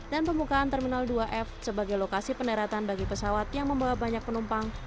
dan pembukaan terminal dua f sebagai lokasi peneratan bagi pesawat yang membawa banyak penumpang